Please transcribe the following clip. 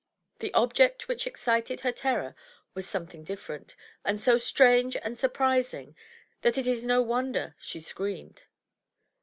The object which excited her terror was something different, and so strange and surprising that it is no wonder she screamed.